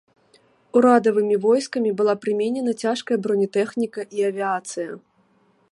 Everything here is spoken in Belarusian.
Урадавымі войскамі была прыменена цяжкая бронетэхніка і авіяцыя.